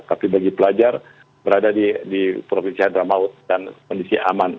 tapi bagi pelajar berada di provinsi adramaut dan kondisi aman